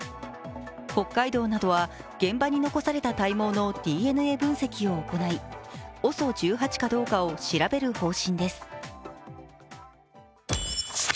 北海道などは現場に残された体毛のＤＮＡ分析を行いＯＳＯ１８かどうかを調べる方針です。